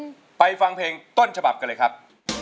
ได้ฟังแผ่นต้นเฉพาะครับ